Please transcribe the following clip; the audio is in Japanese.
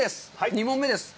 ２問目です。